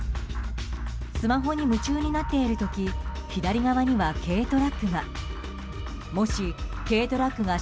スマホに夢中になっている時左側には、軽トラックが。